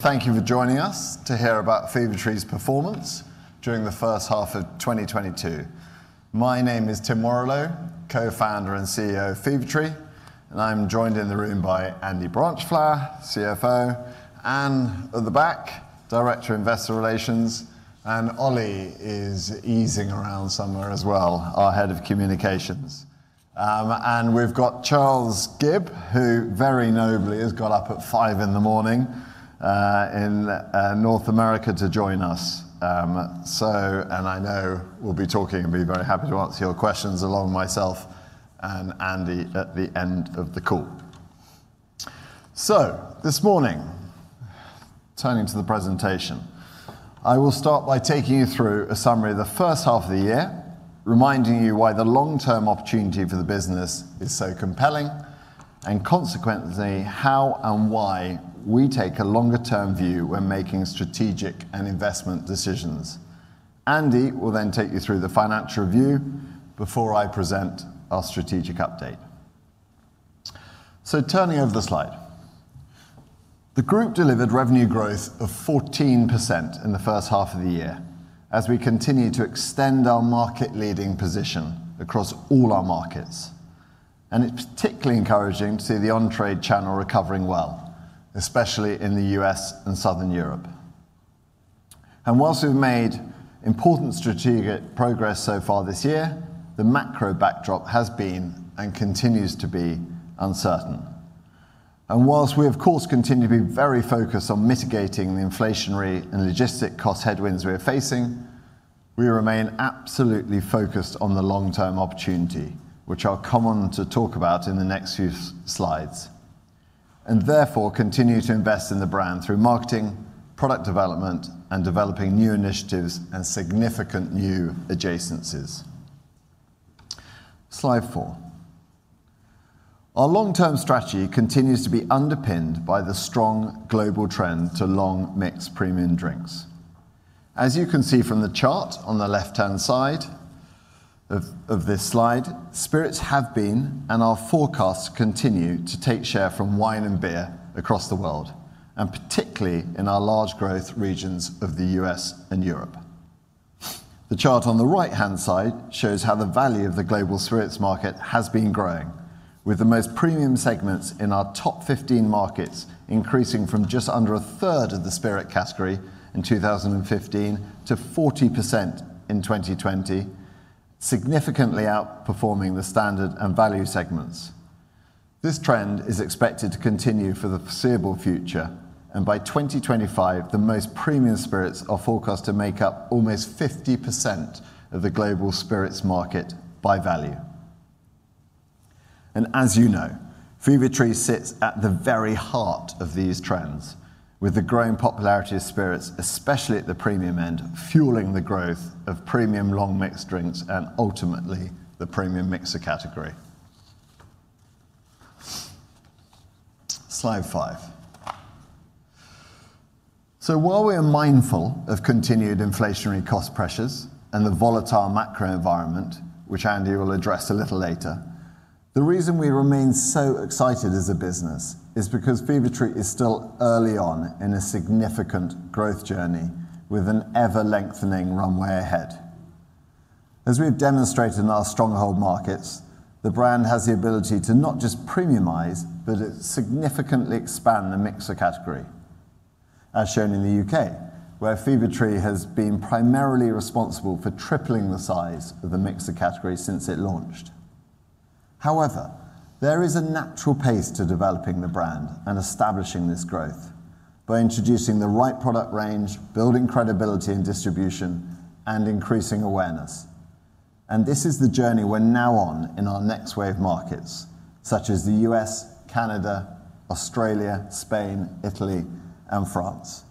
Thank you for joining us to hear about Fever-Tree's performance during the first half of 2022. My name is Tim Warrillow, Co-founder and CEO of Fever-Tree, and I'm joined in the room by Andy Branchflower, CFO, Anne at the back, Director, Investor Relations, and Ollie is easing around somewhere as well, our Head of Communications. We've got Charles Gibb, who very nobly has got up at 5:00 A.M. in North America to join us. I know will be talking and be very happy to answer your questions along myself and Andy at the end of the call. This morning, turning to the presentation, I will start by taking you through a summary of the first half of the year, reminding you why the long-term opportunity for the business is so compelling and consequently how and why we take a longer-term view when making strategic and investment decisions. Andy will then take you through the financial review before I present our strategic update. Turning over the slide. The group delivered revenue growth of 14% in the first half of the year as we continue to extend our market-leading position across all our markets. It's particularly encouraging to see the on-trade channel recovering well, especially in the U.S.. and Southern Europe. While we've made important strategic progress so far this year, the macro backdrop has been and continues to be uncertain. While we of course continue to be very focused on mitigating the inflationary and logistical cost headwinds we are facing, we remain absolutely focused on the long-term opportunity, which I'll come on to talk about in the next few slides, and therefore continue to invest in the brand through marketing, product development, and developing new initiatives and significant new adjacencies. Slide four our long-term strategy continues to be underpinned by the strong global trend to long mixed premium drinks. As you can see from the chart on the left-hand side of this slide, spirits have been and our forecasts continue to take share from wine and beer across the world, and particularly in our large growth regions of the U.S.. and Europe. The chart on the right-hand side shows how the value of the global spirits market has been growing, with the most premium segments in our top 15 markets increasing from just under a third of the spirit category in 2015 to 40% in 2020, significantly outperforming the standard and value segments. This trend is expected to continue for the foreseeable future, and by 2025 the most premium spirits are forecast to make up almost 50% of the global spirits market by value. As you know, Fever-Tree sits at the very heart of these trends with the growing popularity of spirits, especially at the premium end, fueling the growth of premium long mixed drinks and ultimately the premium mixer category. Slide five. While we're mindful of continued inflationary cost pressures and the volatile macro environment, which Andy will address a little later, the reason we remain so excited as a business is because Fever-Tree is still early on in a significant growth journey with an ever-lengthening runway ahead. As we have demonstrated in our stronghold markets, the brand has the ability to not just premiunize but significantly expand the mixer category. As shown in the UK, where Fever-Tree has been primarily responsible for tripling the size of the mixer category since it launched. However, there is a natural pace to developing the brand and establishing this growth by introducing the right product range, building credibility and distribution, and increasing awareness. This is the journey we're now on in our next wave markets, such as the U.S., Canada, Australia, Spain, Italy, and France,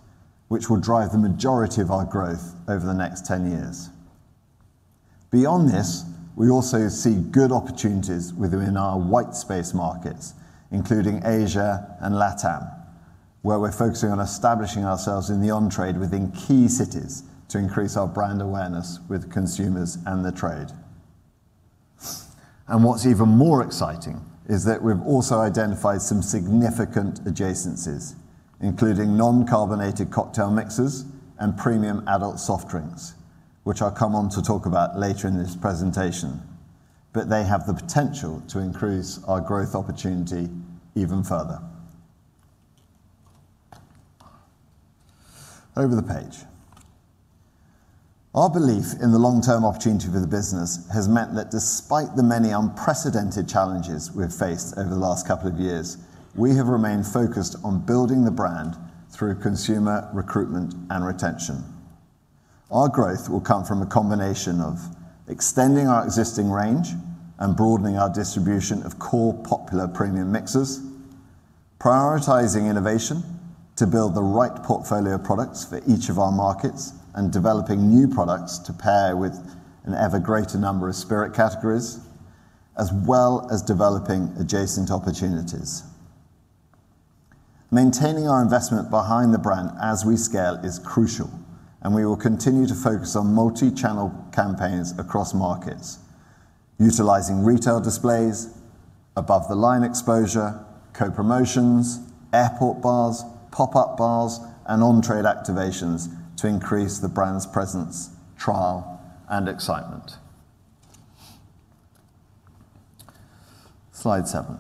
which will drive the majority of our growth over the next 10 years. Beyond this, we also see good opportunities within our white space markets, including Asia and Latam, where we're focusing on establishing ourselves in the on-trade within key cities to increase our brand awareness with consumers and the trade. What's even more exciting is that we've also identified some significant adjacencies, including non-carbonated cocktail mixers and premium adult soft drinks, which I'll come on to talk about later in this presentation, but they have the potential to increase our growth opportunity even further. Over the page. Our belief in the long-term opportunity for the business has meant that despite the many unprecedented challenges we've faced over the last couple of years, we have remained focused on building the brand through consumer recruitment and retention. Our growth will come from a combination of extending our existing range and broadening our distribution of core popular premium mixers, prioritizing innovation to build the right portfolio of products for each of our markets and developing new products to pair with an ever-greater number of spirit categories, as well as developing adjacent opportunities. Maintaining our investment behind the brand as we scale is crucial, and we will continue to focus. on multi-channel campaigns across markets. Utilizing retail displays, above the line exposure, co-promotions, airport bars, pop-up bars, and on-trade activations to increase the brand's presence, trial, and excitement. Slide seven.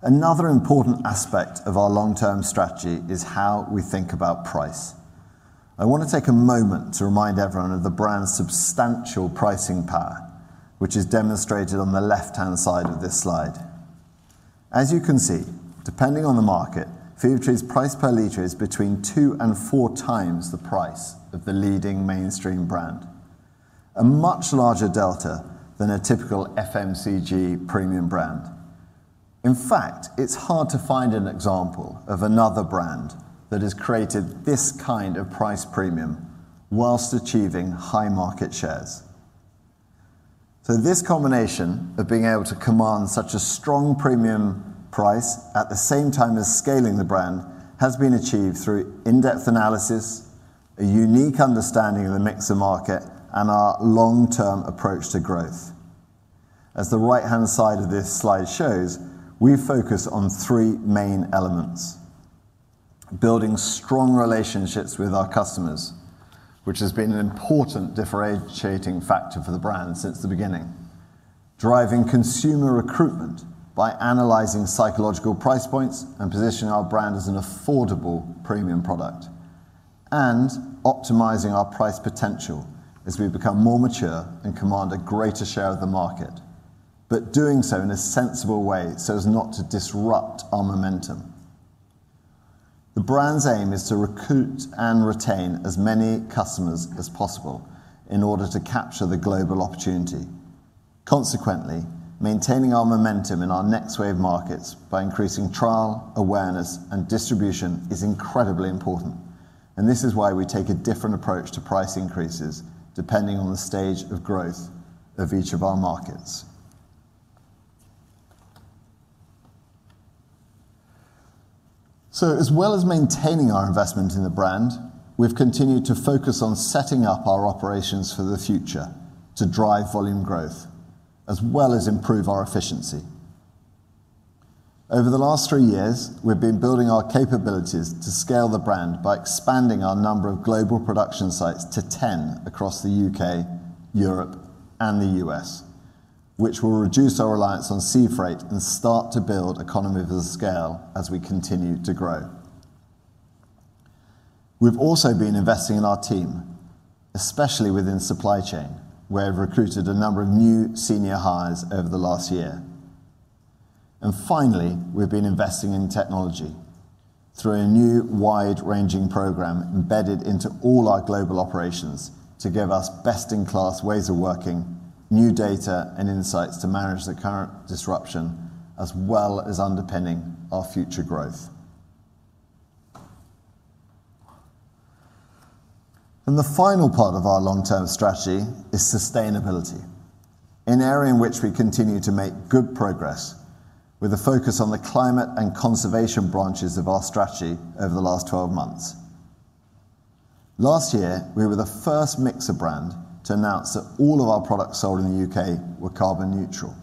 Another important aspect of our long-term strategy is how we think about price. I wanna take a moment to remind everyone of the brand's substantial pricing power, which is demonstrated on the left-hand side of this slide. As you can see, depending on the market, Fever-Tree's price per liter is between 2x and 4x the price of the leading mainstream brand. A much larger delta than a typical FMCG premium brand. In fact, it's hard to find an example of another brand that has created this kind of price premium while achieving high market shares. This combination of being able to command such a strong premium price at the same time as scaling the brand, has been achieved through in-depth analysis, a unique understanding of the mixer market, and our long-term approach to growth. As the right-hand side of this slide shows, we focus on three main elements. Building strong relationships with our customers, which has been an important differentiating factor for the brand since the beginning. Driving consumer recruitment by analyzing psychological price points and positioning our brand as an affordable premium product. Optimizing our price potential as we become more mature and command a greater share of the market but doing so in a sensible way so as not to disrupt our momentum. The brand's aim is to recruit and retain as many customers as possible in order to capture the global opportunity. Consequently, maintaining our momentum in our next wave markets by increasing trial, awareness, and distribution is incredibly important, and this is why we take a different approach to price increases depending on the stage of growth of each of our markets. As well as maintaining our investment in the brand, we've continued to focus on setting up our operations for the future to drive volume growth, as well as improve our efficiency. Over the last three years, we've been building our capabilities to scale the brand by expanding our number of global production sites to 10 across the UK, Europe, and the U.S., which will reduce our reliance on sea freight and start to build economies of scale as we continue to grow. We've also been investing in our team, especially within supply chain, where we've recruited a number of new senior hires over the last year. Finally, we've been investing in technology through a new wide-ranging program embedded into all our global operations to give us. best-in-class ways of working, new data and insights to manage the current disruption, as well as underpinning our future growth. The final part of our long-term strategy is sustainability, an area in which we continue to make good progress with a focus on the climate and conservation branches of our strategy over the last 12 months. Last year, we were the first mixer brand to announce that all of our products sold in the U.K. were carbon neutral,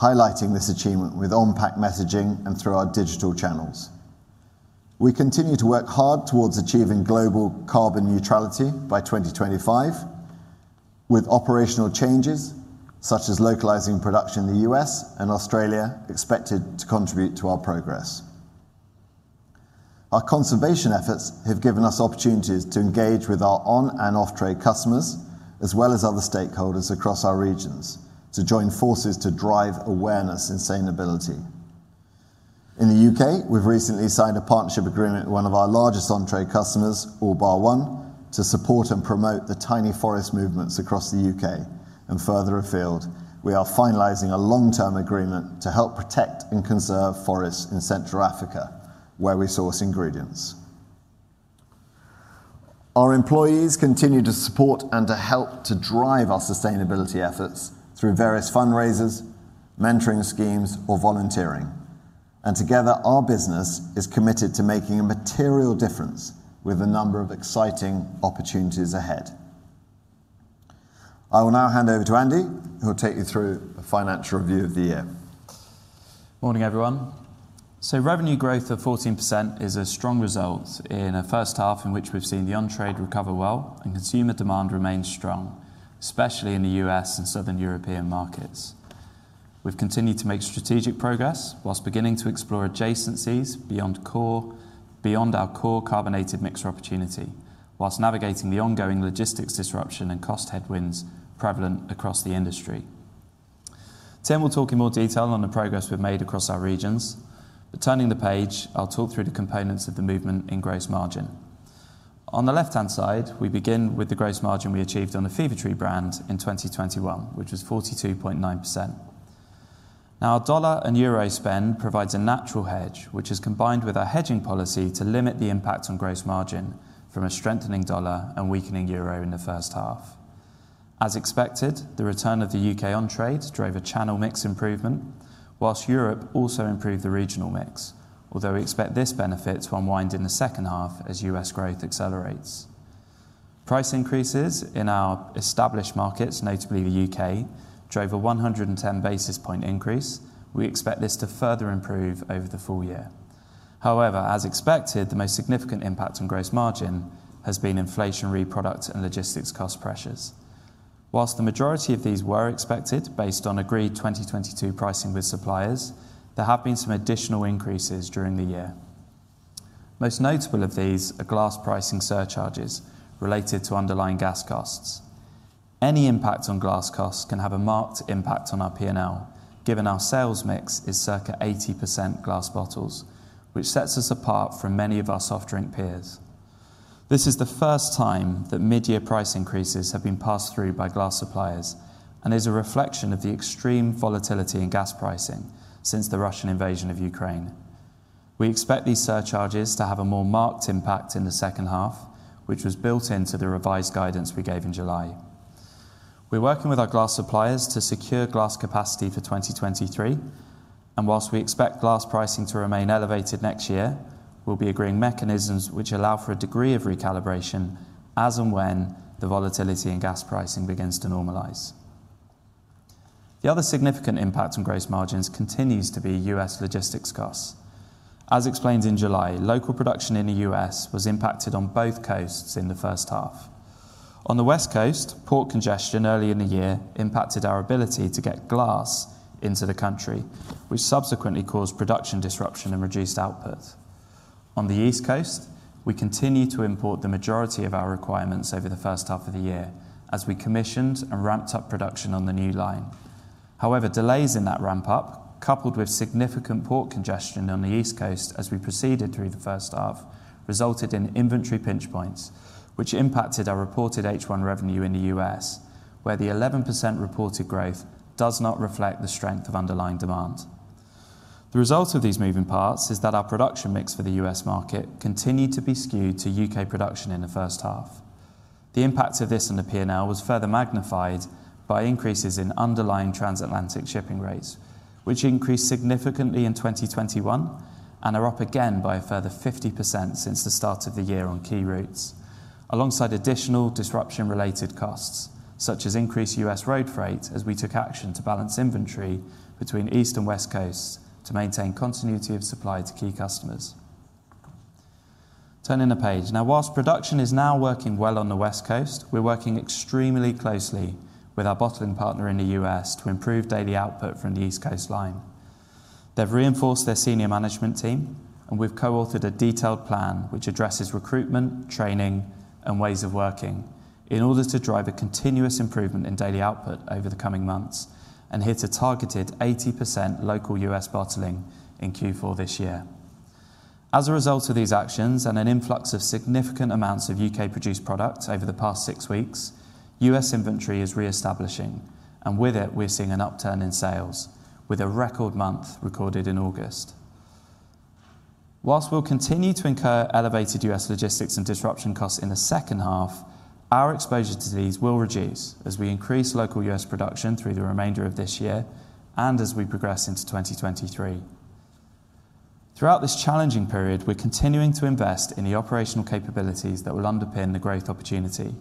highlighting this achievement with on-pack messaging and through our digital channels. We continue to work hard towards achieving global carbon neutrality by 2025, with operational changes such as localizing production in the U.S. and Australia expected to contribute to our progress. Our conservation efforts have given us opportunities to engage with our on-trade and off-trade customers, as well as other stakeholders across our regions, to join forces to drive awareness in sustainability. In the UK, we've recently signed a partnership agreement with one of our largest on-trade customers, All Bar One, to support and promote the Tiny Forest movements across the UK. Further afield, we are finalizing a long-term agreement to help protect and conserve forests in Central Africa, where we source ingredients. Our employees continue to support and to help to drive our sustainability efforts through various fundraisers, mentoring schemes, or volunteering. Together, our business is committed to making a material difference with a number of exciting opportunities ahead. I will now hand over to Andy, who will take you through a financial review of the year. Morning, everyone. Revenue growth of 14% is a strong result in a first half in which we've seen the on-trade recover well and consumer demand remains strong, especially in the U.S. and Southern European markets. We've continued to make strategic progress whilst beginning to explore adjacencies beyond core, beyond our core carbonated mixer opportunity, whilst navigating the ongoing logistics disruption and cost headwinds prevalent across the industry. Tim will talk in more detail on the progress we've made across our regions. Turning the page, I'll talk through the components of the movement in gross margin. On the left-hand side, we begin with the gross margin we achieved on the Fever-Tree brand in 2021, which was 42.9%. Now, our dollar and euro spend provides a natural hedge, which has combined with our hedging policy to limit the impact on gross margin from a strengthening dollar and weakening euro in the first half. As expected, the return of the U.K. on trade drove a channel mix improvement. While Europe also improved the regional mix, although we expect this benefit to unwind in the second half as U.S. growth accelerates. Price increases in our established markets, notably the U.K., drove a 110 basis points increase. We expect this to further improve over the full year. However, as expected, the most significant impact on gross margin has been inflationary product and logistics cost pressures. While the majority of these were expected based on agreed 2022 pricing with suppliers, there have been some additional increases during the year. Most notable of these are glass pricing surcharges related to underlying gas costs. Any impact on glass costs can have a marked impact on our P&L, given our sales mix is circa 80% glass bottles, which sets us apart from many of our soft drink peers. This is the first time that mid-year price increases have been passed through by glass suppliers and is a reflection of the extreme volatility in gas pricing since the Russian invasion of Ukraine. We expect these surcharges to have a more marked impact in the second half, which was built into the revised guidance we gave in July. We're working with our glass suppliers to secure glass capacity for 2023, and while we expect glass pricing to remain elevated next year, we'll be agreeing mechanisms which allow for a degree of recalibration as and when the volatility in gas pricing begins to normalize. The other significant impact on gross margins continues to be U.S. logistics costs. As explained in July, local production in the U.S. was impacted on both coasts in the first half. On the West Coast, port congestion early in the year impacted our ability to get glass into the country, which subsequently caused production disruption and reduced output. On the East Coast, we continued to import the majority of our requirements over the first half of the year as we commissioned and ramped up production on the new line. However, delays in that ramp-up, coupled with significant port congestion on the East Coast as we proceeded through the first half, resulted in inventory pinch points, which impacted our reported H1 revenue in the U.S. where the 11% reported growth does not reflect the strength of underlying demand. The result of these moving parts is that our production mix for the U.S. market continued to be skewed to U.K. production in the first half. The impact of this on the P&L was further magnified by increases in underlying transatlantic shipping rates, which increased significantly in 2021 and are up again by a further 50% since the start of the year on key routes, alongside additional disruption-related costs, such as increased U.S. road freight as we took action to balance inventory between East and West Coasts to maintain continuity of supply to key customers. Turning the page. Now while production is now working well on the West Coast, we're working extremely closely with our bottling partner in the U.S. to improve daily output from the East Coastline. They've reinforced their senior management team, and we've co-authored a detailed plan which addresses recruitment, training, and ways of working in order to drive a continuous improvement in daily output over the coming months and hit a targeted 80% local U.S. bottling in Q4 this year. As a result of these actions and an influx of significant amounts of U.K. produced product over the past six weeks, U.S. inventory is reestablishing, and with it we're seeing an upturn in sales with a record month recorded in August. While we'll continue to incur elevated U.S. logistics and disruption costs in the second half, our exposure to these will reduce as we increase local U.S. production through the remainder of this year and as we progress into 2023. Throughout this challenging period, we're continuing to invest in the operational capabilities that will underpin the growth opportunity.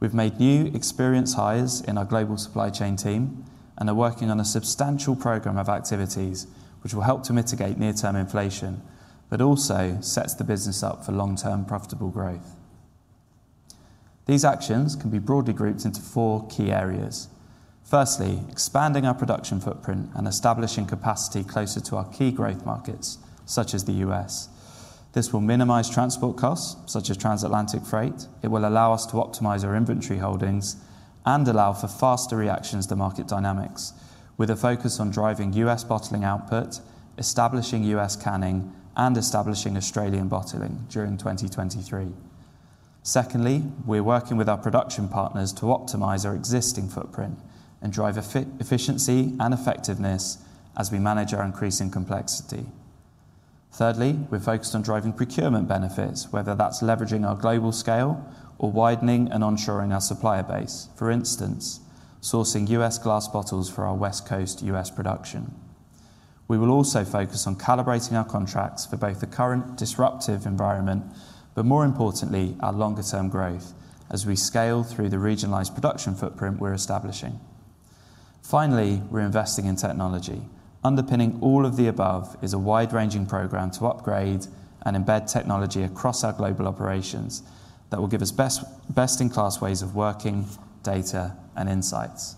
We've made new experience hires in our global supply chain team and are working on a substantial program of activities which will help to mitigate near-term inflation but also sets the business up for long-term profitable growth. These actions can be broadly grouped into four key areas. Firstly, expanding our production footprint and establishing capacity closer to our key growth markets, such as the U.S. This will minimize transport costs, such as transatlantic freight. It will allow us to optimize our inventory holdings and allow for faster reactions to market dynamics with a focus on driving U.S. bottling output, establishing U.S. canning, and establishing Australian bottling during 2023. Secondly, we're working with our production partners to optimize our existing footprint and drive efficiency and effectiveness as we manage our increasing complexity. Thirdly, we're focused on driving procurement benefits, whether that's leveraging our global scale or widening and onshoring our supplier base, for instance, sourcing U.S. glass bottles for our West Coast U.S. production. We will also focus on calibrating our contracts for both the current disruptive environment, but more importantly, our longer-term growth as we scale through the regionalized production footprint we're establishing. Finally, we're investing in technology. Underpinning all of the above is a wide-ranging program to upgrade and embed technology across our global operations that will give us best-in-class ways of working, data, and insights.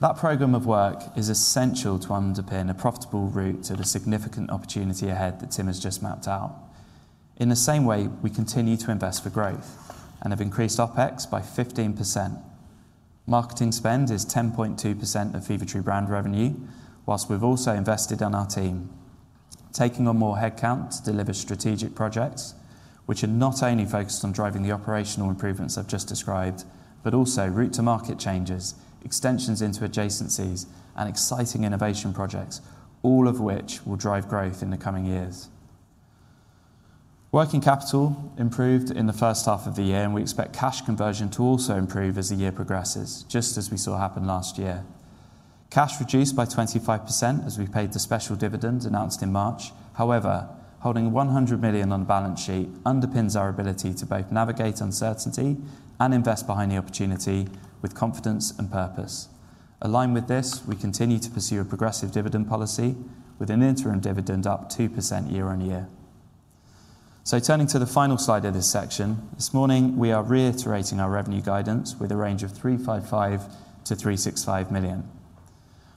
That program of work is essential to underpin a profitable route to the significant opportunity ahead that Tim has just mapped out. In the same way, we continue to invest for growth and have increased OpEx by 15%. Marketing spend is 10.2% of Fever-Tree brand revenue, while we've also invested in our team, taking on more headcount to deliver strategic projects which are not only focused on driving the operational improvements I've just described, but also route to market changes, extensions into adjacencies, and exciting innovation projects, all of which will drive growth in the coming years. Working capital improved in the first half of the year, and we expect cash conversion to also improve as the year progresses, just as we saw happen last year. Cash reduced by 25% as we paid the special dividend announced in March. However, holding 100 million on the balance sheet underpins our ability to both navigate uncertainty and invest behind the opportunity with confidence and purpose. Aligned with this, we continue to pursue a progressive dividend policy with an interim dividend up 2% year-over-year. Turning to the final slide of this section. This morning, we are reiterating our revenue guidance with a range of 355 million-365 million.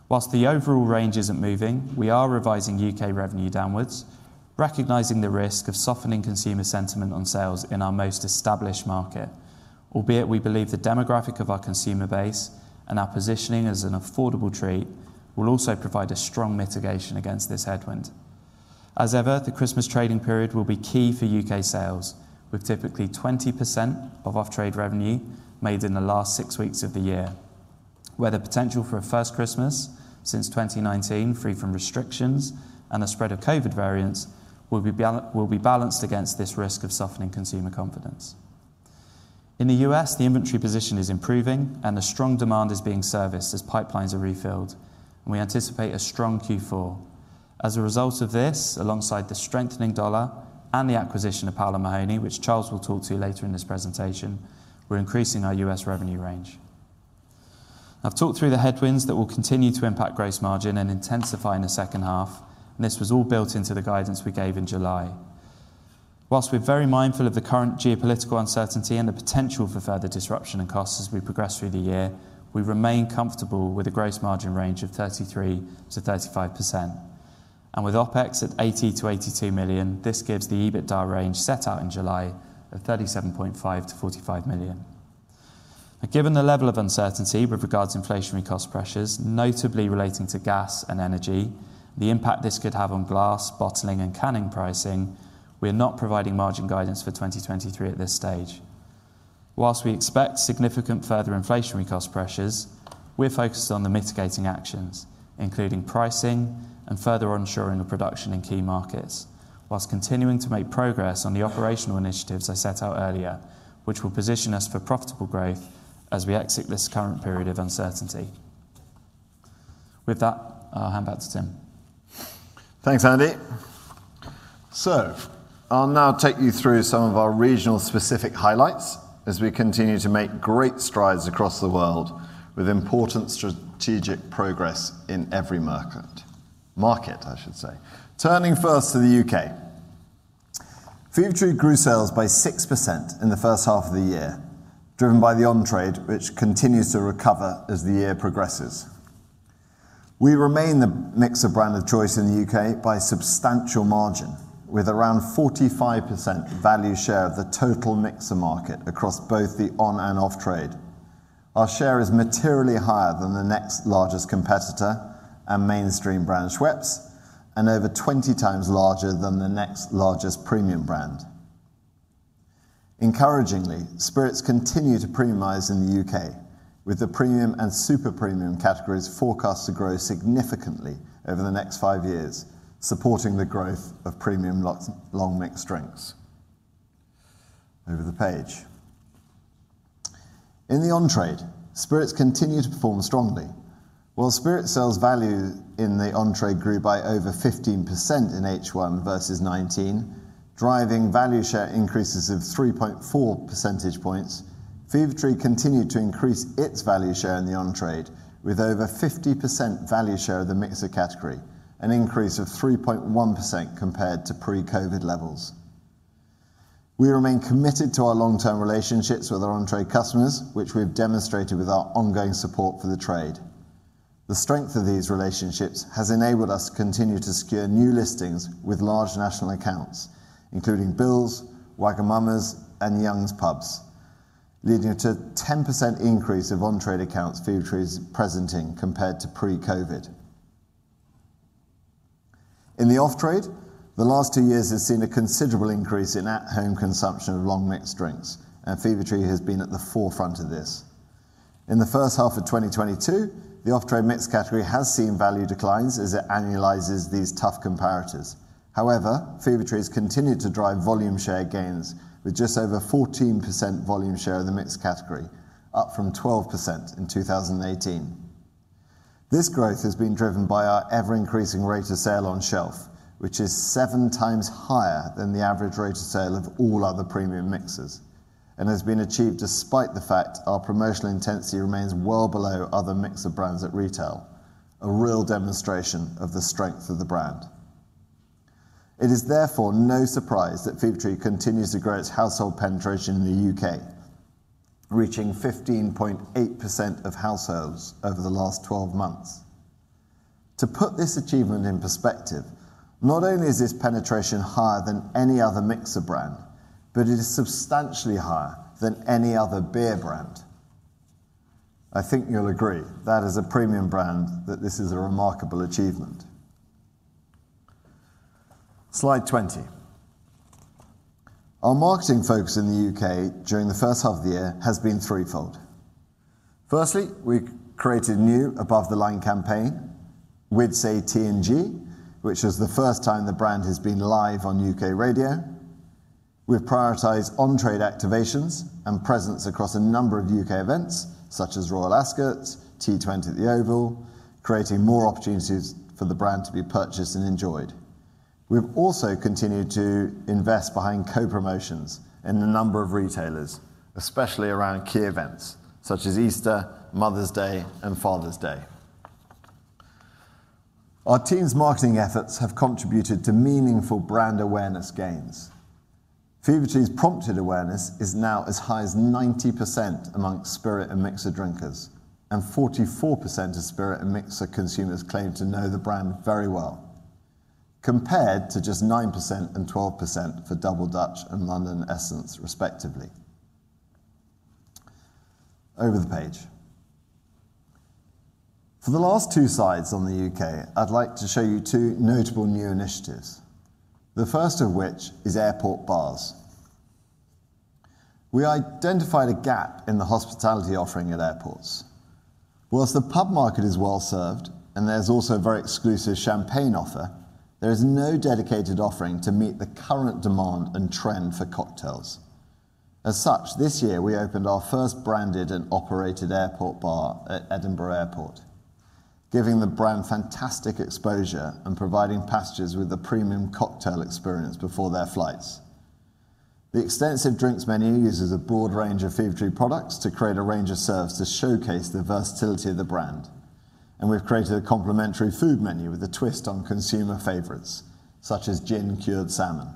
While the overall range isn't moving, we are revising U.K. revenue downwards, recognizing the risk of softening consumer sentiment on sales in our most established market. Albeit, we believe the demographic of our consumer base and our positioning as an affordable treat will also provide a strong mitigation against this headwind. As ever, the Christmas trading period will be key for U.K. sales, with typically 20% of off-trade revenue made in the last six weeks of the year, where the potential for a first Christmas since 2019, free from restrictions and the spread of COVID variants will be balanced against this risk of softening consumer confidence. In the U.S. the inventory position is improving and the strong demand is being serviced as pipelines are refilled, and we anticipate a strong Q4. As a result of this, alongside the strengthening dollar and the acquisition of Powell & Mahoney, which Charles will talk to later in this presentation, we're increasing our U.S. revenue range. I've talked through the headwinds that will continue to impact gross margin and intensify in the second half. This was all built into the guidance we gave in July. While we're very mindful of the current geopolitical uncertainty and the potential for further disruption and costs as we progress through the year, we remain comfortable with a gross margin range of 33%-35%. With OpEx at 80 million-82 million, this gives the EBITDA range set out in July of 37.5 million-45 million. Now, given the level of uncertainty with regards to inflationary cost pressures, notably relating to gas and energy, the impact this could have on glass, bottling and canning pricing, we are not providing margin guidance for 2023 at this stage. Whilst we expect significant further inflationary cost pressures, we're focused on the mitigating actions, including pricing and further onshoring of production in key markets, whilst continuing to make progress on the operational initiatives I set out earlier, which will position us for profitable growth as we exit this current period of uncertainty. With that, I'll hand back to Tim. Thanks, Andy. I'll now take you through some of our regional specific highlights as we continue to make great strides across the world with important strategic progress in every market, I should say. Turning first to the U.K. Fever-Tree grew sales by 6% in the first half of the year, driven by the on-trade, which continues to recover as the year progresses. We remain the mixer brand of choice in the U.K. by a substantial margin, with around 45% value share of the total mixer market across both the on- and off-trade. Our share is materially higher than the next largest competitor and mainstream brand, Schweppes, and over 20x larger than the next largest premium brand. Encouragingly, spirits continue to premiumize in the U.K., with the premium and super premium categories forecast to grow significantly over the next five years, supporting the growth of premium long mixed drinks. Over the page. In the on-trade, spirits continue to perform strongly. While spirit sales value in the on-trade grew by over 15% in H1 versus 2019, driving value share increases of 3.4 percentage points, Fever-Tree continued to increase its value share in the on-trade with over 50% value share of the mixer category, an increase of 3.1% compared to pre-COVID levels. We remain committed to our long-term relationships with our on-trade customers, which we've demonstrated with our ongoing support for the trade. The strength of these relationships has enabled us to continue to secure new listings with large national accounts, including Bill's, Wagamama's, and Young's Pubs, leading to a 10% increase of on-trade accounts Fever-Tree is presenting compared to pre-COVID. In the off-trade, the last two years has seen a considerable increase in at-home consumption of long mixed drinks, and Fever-Tree has been at the forefront of this. In the first half of 2022, the off-trade mixed category has seen value declines as it annualizes these tough comparators. However, Fever-Tree has continued to drive volume share gains with just over 14% volume share of the mixed category, up from 12% in 2018. This growth has been driven by our ever-increasing rate of sale on shelf, which is 7x higher than the average rate of sale of all other premium mixers and has been achieved despite the fact our promotional intensity remains well below other mixer brands at retail, a real demonstration of the strength of the brand. It is therefore no surprise that Fever-Tree continues to grow its household penetration in the U.K., reaching 15.8% of households over the last 12 months. To put this achievement in perspective, not only is this penetration higher than any other mixer brand, but it is substantially higher than any other beer brand. I think you'll agree that as a premium brand that this is a remarkable achievement. Slide 20. Our marketing focus in the U.K. during the first half of the year has been threefold. Firstly, we created a new above-the-line campaign with Say G&T, which is the first time the brand has been live on U.K. radio. We've prioritized on-trade activations and presence across a number of U.K. events, such as Royal Ascot, T20 at the Oval, creating more opportunities for the brand to be purchased and enjoyed. We've also continued to invest behind co-promotions in a number of retailers, especially around key events such as Easter, Mother's Day, and Father's Day. Our team's marketing efforts have contributed to meaningful brand awareness gains. Fever-Tree's prompted awareness is now as high as 90% among spirit and mixer drinkers, and 44% of spirit and mixer consumers claim to know the brand very well, compared to just 9% and 12% for Double Dutch and London Essence, respectively. Over the page. For the last two slides on the U.K., I'd like to show you two notable new initiatives, the first of which is airport bars. We identified a gap in the hospitality offering at airports. While the pub market is well-served, and there's also a very exclusive champagne offer, there is no dedicated offering to meet the current demand and trend for cocktails. As such, this year, we opened our first branded and operated airport bar at Edinburgh Airport, giving the brand fantastic exposure and providing passengers with a premium cocktail experience before their flights. The extensive drinks menu uses a broad range of Fever-Tree products to create a range of serves to showcase the versatility of the brand. We've created a complimentary food menu with a twist on consumer favorites, such as gin-cured salmon.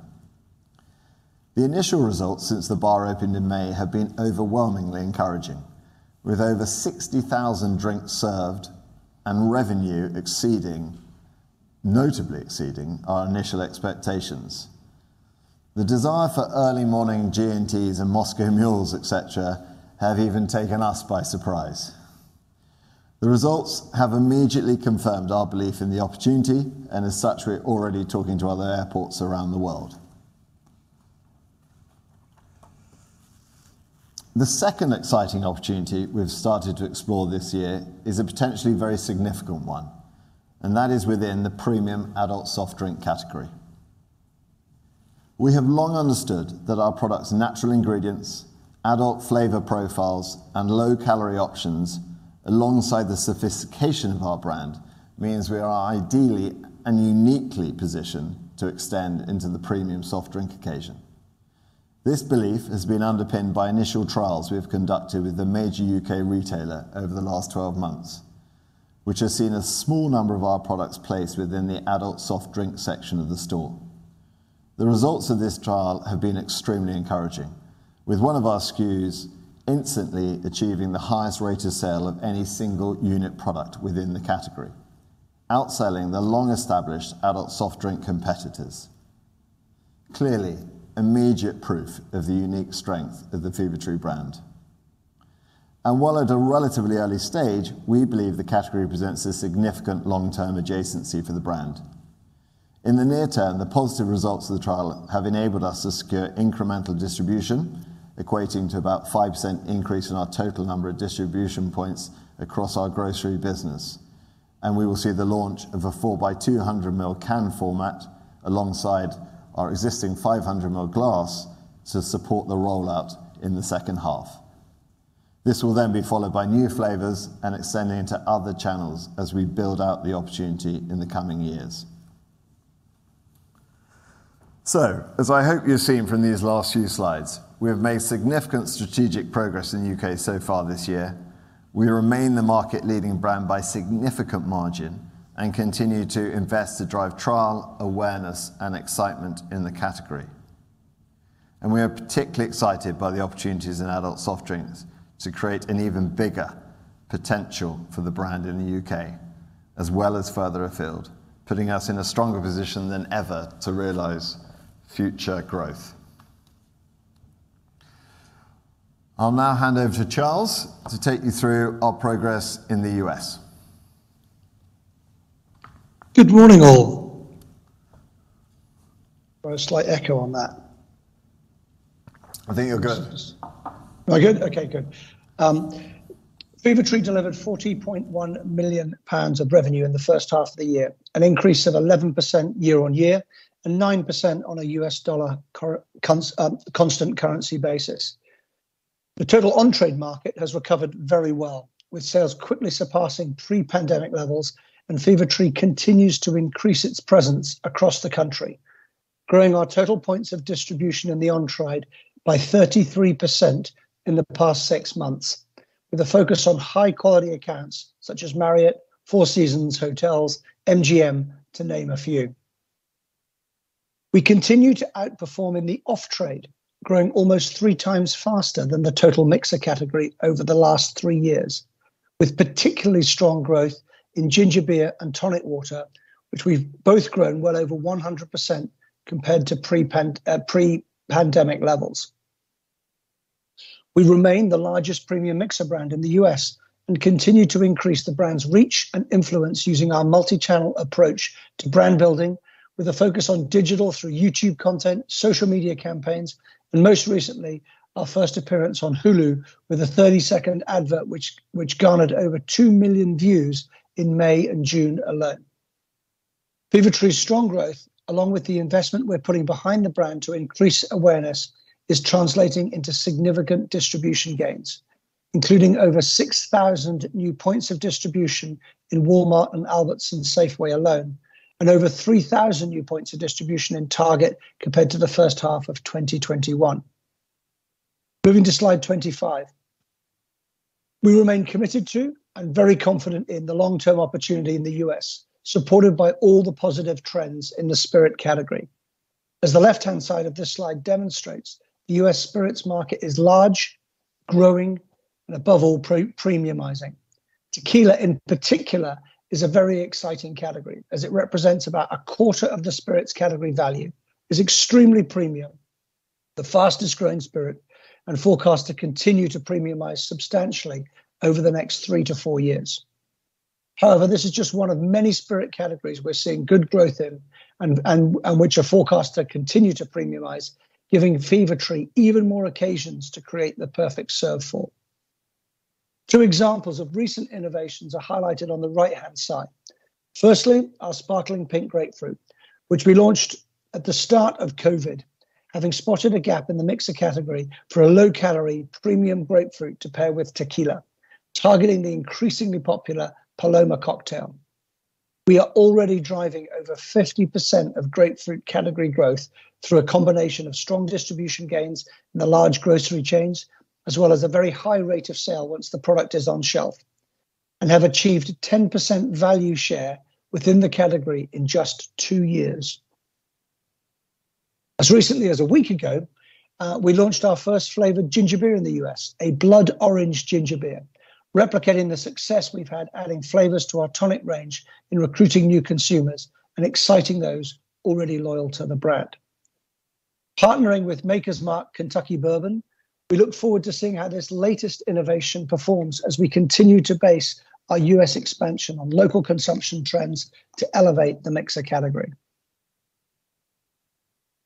The initial results since the bar opened in May have been overwhelmingly encouraging, with over 60,000 drinks served and revenue exceeding, notably exceeding, our initial expectations. The desire for early morning G&Ts and Moscow Mules, et cetera, have even taken us by surprise. The results have immediately confirmed our belief in the opportunity, and as such, we're already talking to other airports around the world. The second exciting opportunity we've started to explore this year is a potentially very significant one, and that is within the premium adult soft drink category. We have long understood that our products natural ingredients, adult flavor profiles, and low-calorie options, alongside the sophistication of our brand, means we are ideally and uniquely positioned to extend into the premium soft drink occasion. This belief has been underpinned by initial trials we have conducted with a major UK retailer over the last 12 months, which has seen a small number of our products placed within the adult soft drink section of the store. The results of this trial have been extremely encouraging, with one of our SKUS instantly achieving the highest rate of sale of any single unit product within the category, outselling the long-established adult soft drink competitors. Clearly, immediate proof of the unique strength of the Fever-Tree brand. While at a relatively early stage, we believe the category presents a significant long-term adjacency for the brand. In the near term, the positive results of the trial have enabled us to secure incremental distribution, equating to about 5% increase in our total number of distribution points across our grocery business. We will see the launch of a 4x200 ml can format alongside our existing 500 ml glass to support the rollout in the second half. This will then be followed by new flavors and extending into other channels as we build out the opportunity in the coming years. As I hope you've seen from these last few slides, we have made significant strategic progress in the U.K. so far this year. We remain the market-leading brand by significant margin and continue to invest to drive trial, awareness, and excitement in the category. We are particularly excited by the opportunities in adult soft drinks to create an even bigger potential for the brand in the U.K., as well as further afield, putting us in a stronger position than ever to realize future growth. I'll now hand over to Charles Gibb to take you through our progress in the U.S.. Good morning, all. Got a slight echo on that. I think you're good. Am I good? Okay, good. Fever-Tree delivered 40.1 million pounds of revenue in the first half of the year, an increase of 11% year-on-year and 9% on a U.S. dollar constant currency basis. The total on-trade market has recovered very well, with sales quickly surpassing pre-pandemic levels. Fever-Tree continues to increase its presence across the country, growing our total points of distribution in the on-trade by 33% in the past six months, with a focus on high-quality accounts such as Marriott, Four Seasons Hotels, MGM, to name a few. We continue to outperform in the off-trade, growing almost three times faster than the total mixer category over the last three years, with particularly strong growth in ginger beer and tonic water, which we've both grown well over 100% compared to pre-pandemic levels. We remain the largest premium mixer brand in the U.S. and continue to increase the brand's reach and influence using our multi-channel approach to brand building with a focus on digital through YouTube content, social media campaigns, and most recently, our first appearance on Hulu with a 30-second advert which garnered over two million views in May and June alone. Fever-Tree's strong growth, along with the investment we're putting behind the brand to increase awareness, is translating into significant distribution gains, including over 6,000 new points of distribution in Walmart and Albertsons, Safeway alone, and over 3,000 new points of distribution in Target compared to the first half of 2021. Moving to slide 25. We remain committed to and very confident in the long-term opportunity in the U.S., supported by all the positive trends in the spirit category. As the left-hand side of this slide demonstrates, the U.S. spirits market is large, growing, and above all, premiumizing. Tequila in particular is a very exciting category as it represents about a quarter of the spirits category value, is extremely premium, the fastest-growing spirit, and forecast to continue to premiumize substantially over the next three to four years. However, this is just one of many spirit categories we're seeing good growth in, and which are forecast to continue to premiumize, giving Fever-Tree even more occasions to create the perfect serve for two examples of recent innovations are highlighted on the right-hand side. Firstly, our Sparkling Pink Grapefruit, which we launched at the start of COVID, having spotted a gap in the mixer category for a low-calorie premium grapefruit to pair with tequila, targeting the increasingly popular Paloma cocktail. We are already driving over 50% of grapefruit category growth through a combination of strong distribution gains in the large grocery chains, as well as a very high rate of sale once the product is on shelf and have achieved 10% value share within the category in just two years. As recently as a week ago, we launched our first flavored ginger beer in the U.S., a Blood Orange Ginger Beer, replicating the success we've had adding flavors to our tonic range in recruiting new consumers and exciting those already loyal to the brand. Partnering with Maker's Mark Kentucky Bourbon, we look forward to seeing how this latest innovation performs as we continue to base our U.S. expansion on local consumption trends to elevate the mixer category.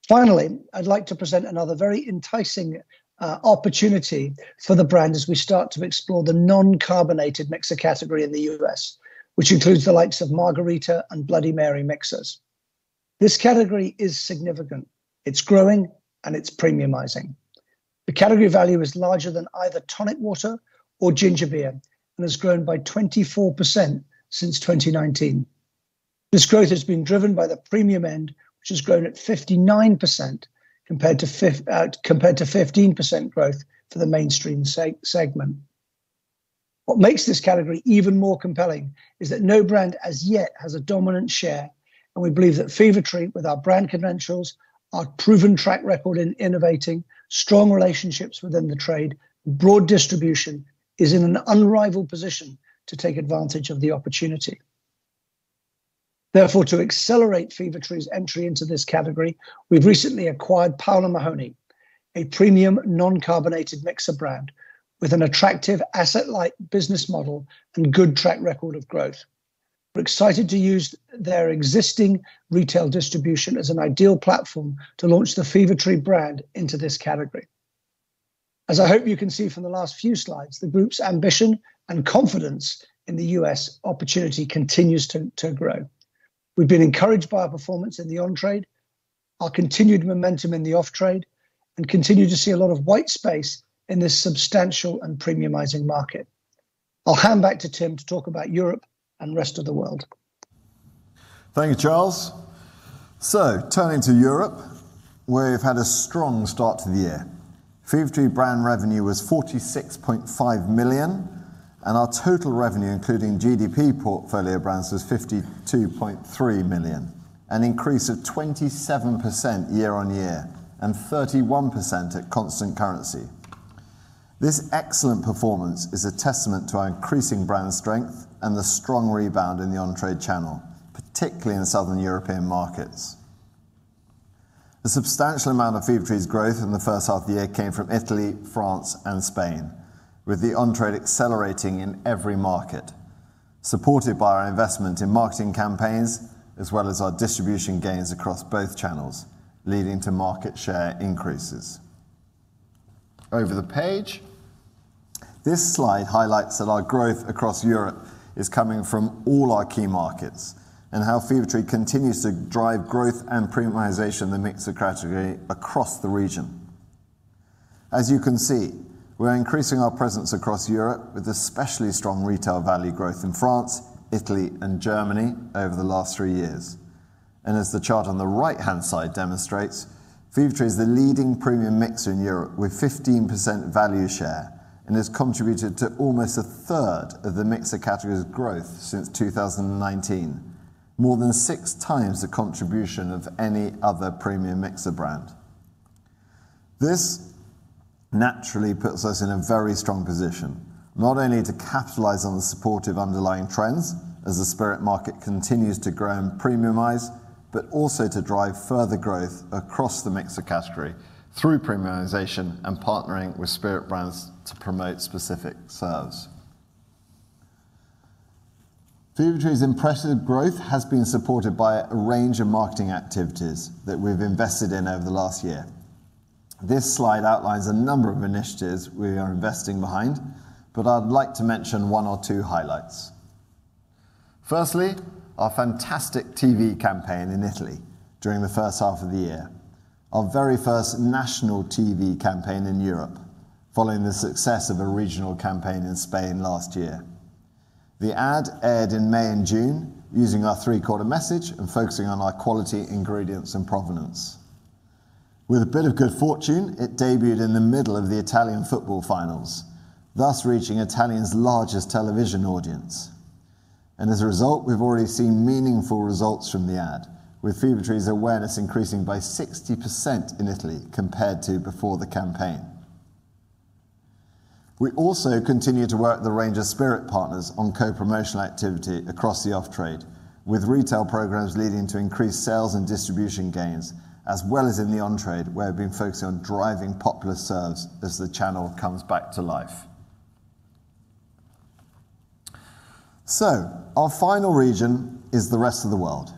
Finally, I'd like to present another very enticing opportunity for the brand as we start to explore the non-carbonated mixer category in the U.S., which includes the likes of Margarita and Bloody Mary mixers. This category is significant. It's growing and it's premiumizing. The category value is larger than either tonic water or ginger beer, and has grown by 24% since 2019. This growth has been driven by the premium end, which has grown at 59% compared to 15% growth for the mainstream segment. What makes this category even more compelling is that no brand as yet has a dominant share, and we believe that Fever-Tree, with our brand credentials, our proven track record in innovating, strong relationships within the trade, broad distribution, is in an unrivaled position to take advantage of the opportunity. Therefore, to accelerate Fever-Tree's entry into this category, we've recently acquired Powell & Mahoney, a premium non-carbonated mixer brand with an attractive asset-light business model and good track record of growth. We're excited to use their existing retail distribution as an ideal platform to launch the Fever-Tree brand into this category. As I hope you can see from the last few slides, the group's ambition and confidence in the U.S. opportunity continues to grow. We've been encouraged by our performance in the on-trade, our continued momentum in the off-trade, and continue to see a lot of white space in this substantial and premiumizing market. I'll hand back to Tim to talk about Europe and rest of the world. Thank you, Charles. Turning to Europe, where we've had a strong start to the year. Fever-Tree brand revenue was 46.5 million, and our total revenue, including Global Drinks Partnership portfolio brands, was 52.3 million, an increase of 27% year-on-year and 31% at constant currency. This excellent performance is a testament to our increasing brand strength and the strong rebound in the on-trade channel, particularly in the Southern European markets. A substantial amount of Fever-Tree's growth in the first half of the year came from Italy, France and Spain, with the on-trade accelerating in every market, supported by our investment in marketing campaigns as well as our distribution gains across both channels, leading to market share increases. Over the page. This slide highlights that our growth across Europe is coming from all our key markets, and how Fever-Tree continues to drive growth and premiumization in the mixer category across the region. As you can see, we are increasing our presence across Europe with especially strong retail value growth in France, Italy and Germany over the last three years. As the chart on the right-hand side demonstrates, Fever-Tree is the leading premium mixer in Europe with 15% value share and has contributed to almost a third of the mixer category's growth since 2019, more than 6x the contribution of any other premium mixer brand. This naturally puts us in a very strong position, not only to capitalize on the supportive underlying trends as the spirit market continues to grow and premiumize, but also to drive further growth across the mixer category through premiumization and partnering with spirit brands to promote specific serves. Fever-Tree's impressive growth has been supported by a range of marketing activities that we've invested in over the last year. This slide outlines a number of initiatives we are investing behind, but I'd like to mention one or two highlights. Firstly, our fantastic TV campaign in Italy during the first half of the year, our very first national TV campaign in Europe following the success of a regional campaign in Spain last year. The ad aired in May and June using our three-quarters message and focusing on our quality ingredients and provenance. With a bit of good fortune, it debuted in the middle of the Italian football finals, thus reaching Italian's largest television audience. As a result, we've already seen meaningful results from the ad, with Fever-Tree's awareness increasing by 60% in Italy compared to before the campaign. We also continue to work with a range of spirit partners on co-promotional activity across the off-trade, with retail programs leading to increased sales and distribution gains, as well as in the on-trade, where we've been focusng on driving popular serves as the channel comes back to life. Our final region is the rest of the world,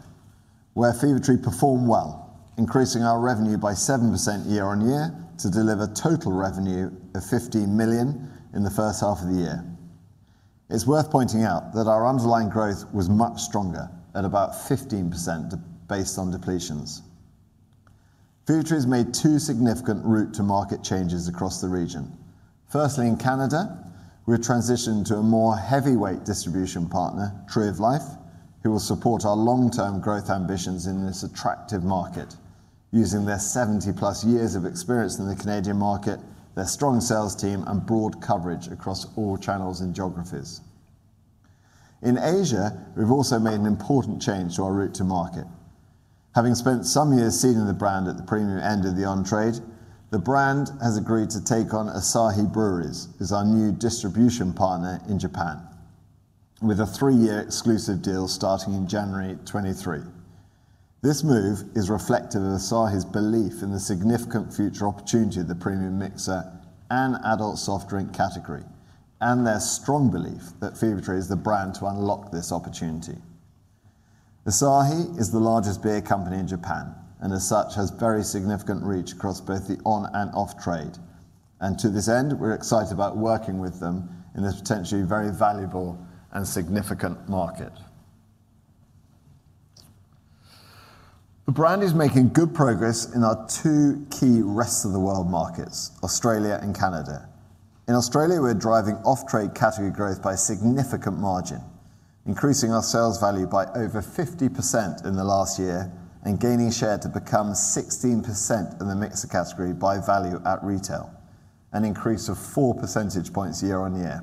where Fever-Tree performed well, increasing our revenue by 7% year-on-year to deliver total revenue of 15 million in the first half of the year. It's worth pointing out that our underlying growth was much stronger at about 15% based on depletions. Fever-Tree has made two significant route to market changes across the region. Firstly, in Canada, we have transitioned to a more heavyweight distribution partner, Tree of Life, who will support our long-term growth ambitions in this attractive market using their 70+ years of experience in the Canadian market, their strong sales team, and broad coverage across all channels and geographies. In Asia, we've also made an important change to our route to market. Having spent some years seeding the brand at the premium end of the on trade, the brand has agreed to take on Asahi Breweries as our new distribution partner in Japan, with a three-year exclusive deal starting in January 2023. This move is reflective of Asahi's belief in the significant future opportunity of the premium mixer and adult soft drink category, and their strong belief that Fever-Tree is the brand to unlock this opportunity. Asahi is the largest beer company in Japan, and as such, has very significant reach across both the on and off-trade. To this end, we're excited about working with them in this potentially very valuable and significant market. The brand is making good progress in our two key rest-of-the-world markets, Australia and Canada. In Australia, we're driving off-trade category growth by a significant margin, increasing our sales value by over 50% in the last year and gaining share to become 16% of the mixer category by value at retail, an increase of 4 percentage points year-on-year.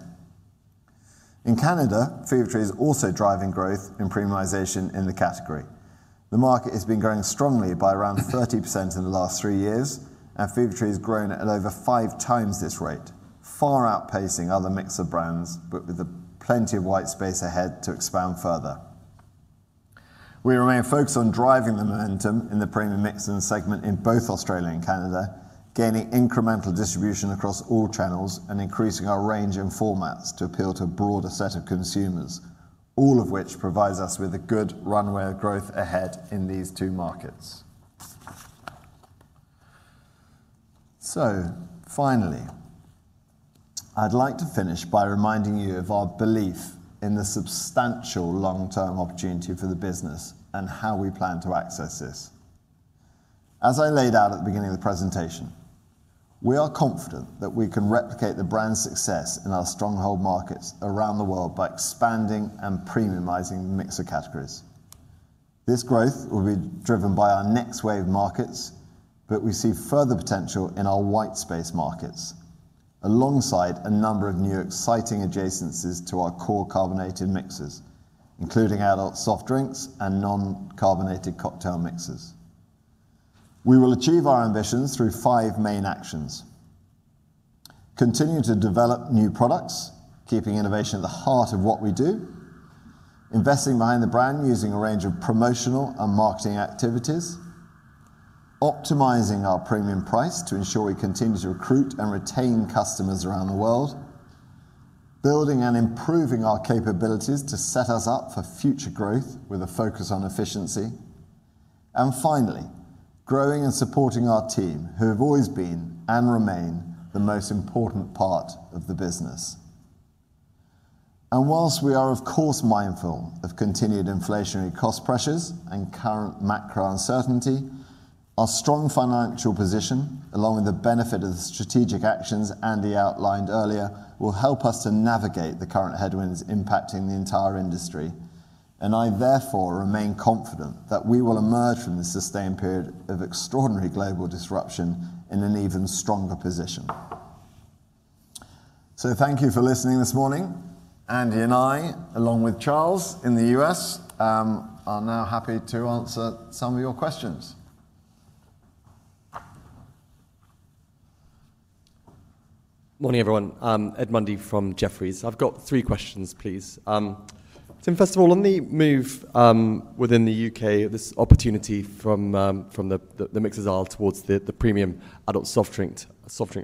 In Canada, Fever-Tree is also driving growth and premiumization in the category. The market has been growing strongly by around 30% in the last three years, and Fever-Tree has grown at over 5x this rate, far outpacing other mixer brands, but with plenty of white space ahead to expand further. We remain focused on driving the momentum in the premium mixer segment in both Australia and Canada, gaining incremental distribution across all channels and increasing our range and formats to appeal to a broader set of consumers, all of which provides us with a good runway of growth ahead in these two markets. Finally, I'd like to finish by reminding you of our belief in the substantial long-term opportunity for the business and how we plan to access this. As I laid out at the beginning of the presentation, we are confident that we can replicate the brand's success in our stronghold markets around the world by expanding and premiumizing the mixer categories. This growth will be driven by our next wave markets, but we see further potential in our white space markets, alongside a number of new exciting adjacencies to our core carbonated mixers, including adult soft drinks and non-carbonated cocktail mixers. We will achieve our ambitions through five main actions. Continue to develop new products, keeping innovation at the heart of what we do. Investing behind the brand using a range of promotional and marketing activities. Optimizing our premium price to ensure we continue to recruit and retain customers around the world. Building and improving our capabilities to set us up for future growth with a focus on efficiency. Finally, growing and supporting our team, who have always been and remain the most important part of the business. While we are of course mindful of continued inflationary cost pressures and current macro uncertainty, our strong financial position, along with the benefit of the strategic actions Andy outlined earlier, will help us to navigate the current headwinds impacting the entire industry. I therefore remain confident that we will emerge from this sustained period of extraordinary global disruption in an even stronger position. Thank you for listening this morning. Andy and I, along with Charles in the U.S., are now happy to answer some of your questions. Morning, everyone. I'm Ed Mundy from Jefferies. I've got three questions, please. Tim, first of all, on the move within the U.K., this opportunity from the mixers aisle towards the premium adult soft drink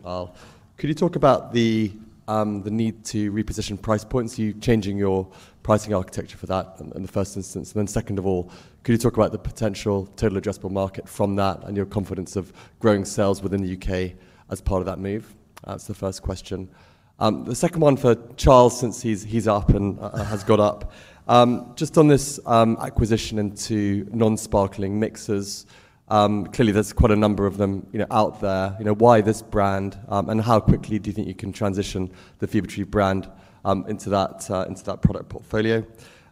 aisle. Could you talk about the need to reposition price points, you changing your pricing architecture for that in the first instance? And then second of all, could you talk about the potential total addressable market from that and your confidence of growing sales within the U.K. as part of that move? That's the first question. The second one for Charles, since he's up and has got up. Just on this acquisition into non-sparkling mixers, clearly there's quite a number of them, you know, out there. You know, why this brand, and how quickly do you think you can transition the Fever-Tree brand, into that product portfolio?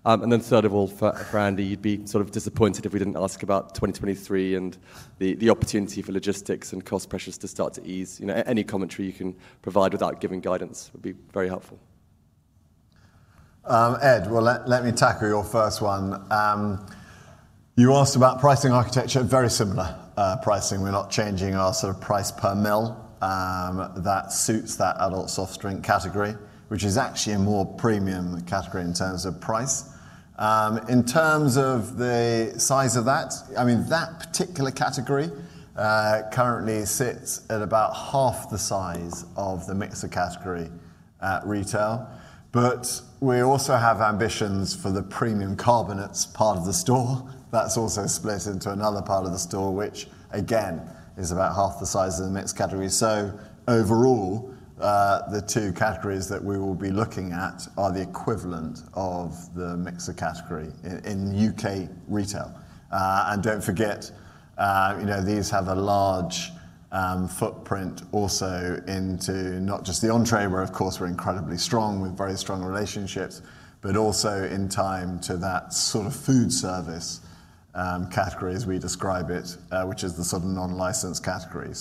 And then third of all, for Andy, you'd be sort of disappointed if we didn't ask about 2023 and the opportunity for logistics and cost pressures to start to ease. You know, any commentary you can provide without giving guidance would be very helpful. Ed, let me tackle your first one. You asked about pricing architecture. Very similar pricing. We're not changing our sort of price per ml that suits that adult soft drink category, which is actually a more premium category in terms of price. In terms of the size of that, I mean, that particular category currently sits at about half the size of the mixer category at retail. We also have ambitions for the premium carbonates part of the store that's also split into another part of the store, which again, is about half the size of the mixer category. Overall, the two categories that we will be looking at are the equivalent of the mixer category in U.K. retail. Don't forget, you know, these have a large footprint also into not just the entree, where of course we're incredibly strong with very strong relationships, but also into that sort of food service category as we describe it, which is the sort of non-licensed category.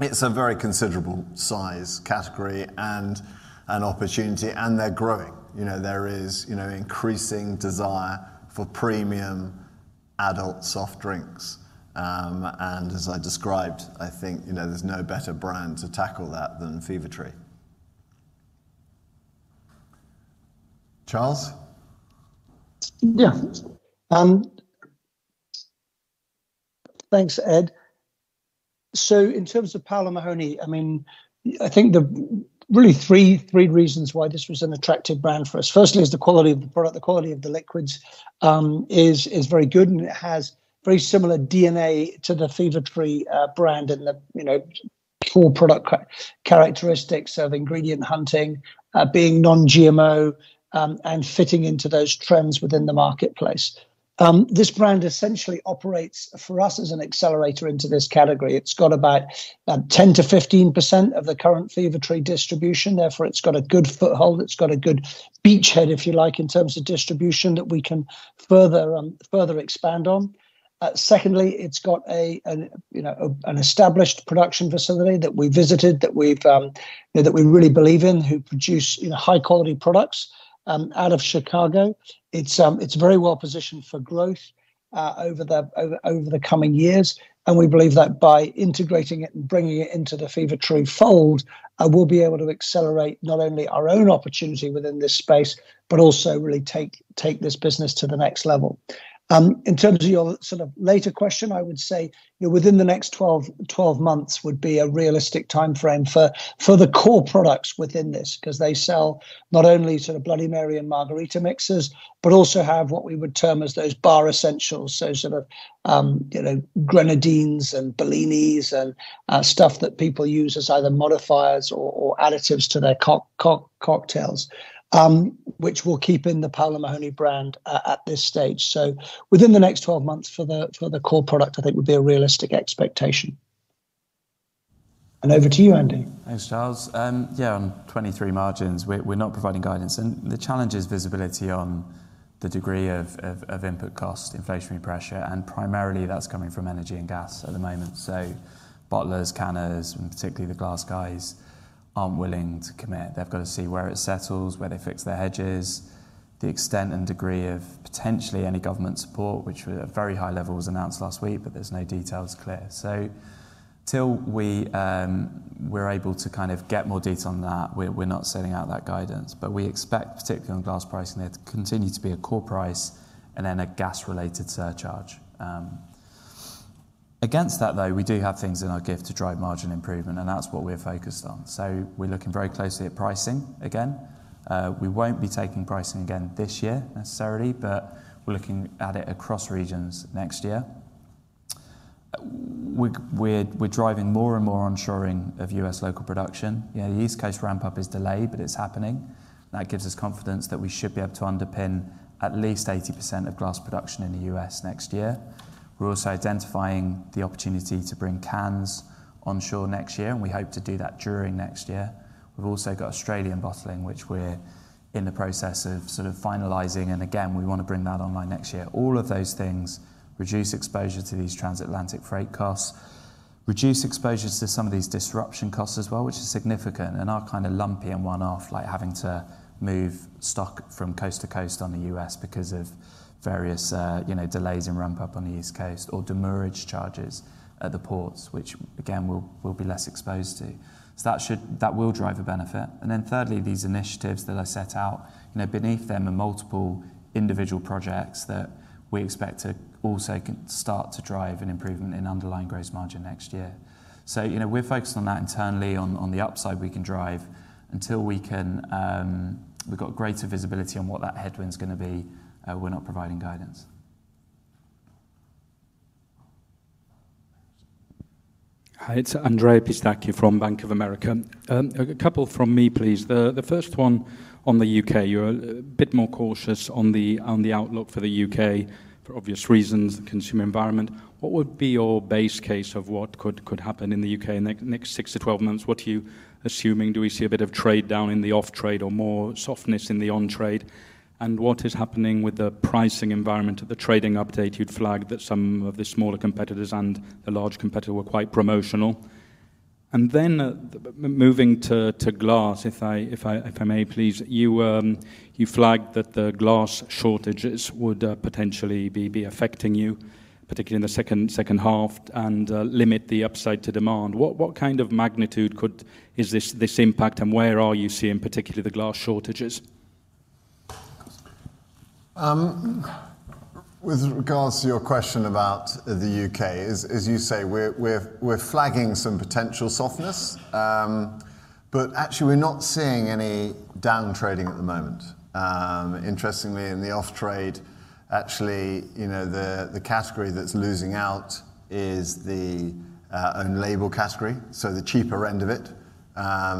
It's a very considerable size category and an opportunity, and they're growing. You know, there is, you know, increasing desire for premium adult soft drinks. As I described, I think, you know, there's no better brand to tackle that than Fever-Tree. Charles? Yeah. Thanks, Ed. In terms of Powell & Mahoney, I mean, I think there are really three reasons why this was an attractive brand for us firstly is the quality of the product. The quality of the liquids is very good, and it has very similar DNA to the Fever-Tree brand and the, you know, core product characteristics of ingredient hunting, being non-GMO, and fitting into those trends within the marketplace. This brand essentially operates for us as an accelerator into this category. It's got about 10%-15% of the current Fever-Tree distribution, therefore it's got a good foothold. It's got a good beachhead, if you like, in terms of distribution that we can further expand on. Secondly, it's got an established production facility that we visited that we really believe in who produce high quality products out of Chicago. It's very well positioned for growth over the coming years. We believe that by integrating it and bringing it into the Fever-Tree fold, we'll be able to accelerate not only our own opportunity within this space, but also really take this business to the next level. In terms of your sort of later question, I would say, you know, within the next 12 months would be a realistic timeframe for the core products within this cause they sell not only sort of Bloody Mary and Margarita mixers, but also have what we would term as those bar essentials. Sort of, you know, grenadines and bellinis and stuff that people use as either modifiers or additives to their cocktails, which we'll keep in the Powell & Mahoney brand at this stage. Within the next 12 months for the core product, I think would be a realistic expectation. Over to you, Andy. Thanks, Charles. Yeah, on 2023 margins, we're not providing guidance and the challenge is visibility on the degree of input cost, inflationary pressure, and primarily that's coming from energy and gas at the moment. Bottlers, canners, and particularly the glass guys aren't willing to commit. They've got to see where it settles, where they fix their hedges, the extent and degree of potentially any government support, which at a very high level was announced last week, but there's no details clear. Till we're able to kind of get more detail on that, we're not sending out that guidance. We expect, particularly on glass pricing, there to continue to be a core price and then a gas related surcharge. Against that though, we do have things in our gift to drive margin improvement and that's what we're focused on. We're looking very closely at pricing again. We won't be taking pricing again this year necessarily, but we're looking at it across regions next year. We're driving more and more onshoring of U.S. local production. You know, the East Coast ramp up is delayed, but it's happening, and that gives us confidence that we should be able to underpin at least 80% of glass production in the U.S. next year. We're also identifying the opportunity to bring cans onshore next year, and we hope to do that during next year. We've also got Australian bottling, which we're in the process of sort of finalizing, and again, we want to bring that online next year. All of those things reduce exposure to these transatlantic freight costs. Reduce exposure to some of these disruption costs as well, which is significant, and are kind of lumpy and one-off, like having to move stock from coast to coast on the U.S. because of various you know, delays in ramp up on the East Coast, or demurrage charges at the ports, which again, we'll be less exposed to. That will drive a benefit. Then thirdly, these initiatives that I set out, you know, beneath them are multiple individual projects that we expect to also start to drive an improvement in underlying gross margin next year. You know, we're focused on that internally on the upside we can drive. Until we can, we've got greater visibility on what that headwind's gonna be, we're not providing guidance. Hi, it's Andrea Pistacchi from Bank of America. A couple from me, please. The first one on the U.K. You're a bit more cautious on the outlook for the UK for obvious. reasons, the consumer environment. What would be your base case of what could happen in the U.K. in the next six to twelve months? What are you assuming? Do we see a bit of trade down in the off trade or more softness in the on trade? What is happening with the pricing environment? At the trading update, you'd flagged that some of the smaller competitors and the large competitor were quite promotional. Then, moving to glass, if I may please. You flagged that the glass shortages would potentially be affecting you, particularly in the second half and limit the upside to demand. What kind of magnitude is this impact and where are you seeing particularly the glass shortages? With regards to your question about the U.K., as you say, we're flagging some potential softness. But actually we're not seeing any down trading at the moment. Interestingly in the off-trade, actually, you know, the category that's losing out is the own label category, so the cheaper end of it.